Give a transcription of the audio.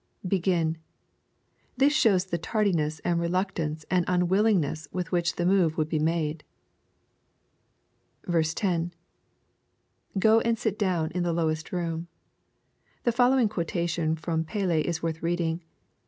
[Begin.] This shows the tardiness, and reluctance, and unwil lingness with which the move would be made. 10. — [Go and sit down in the lowest room.] The following quotation from Paley is worth reading.